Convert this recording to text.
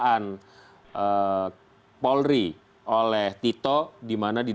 apakah didiskusi nanti